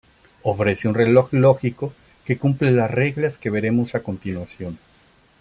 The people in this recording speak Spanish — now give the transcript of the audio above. Ofrece un reloj lógico que cumple las reglas que veremos a continuación.